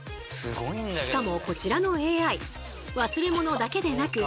しかもこちらのＡＩ忘れ物だけでなく